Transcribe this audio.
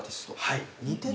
はい。